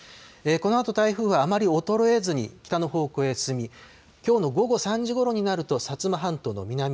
このあと台風はあまり衰えずに北の方向へ進みきょうの午後３時ごろになると薩摩半島の南。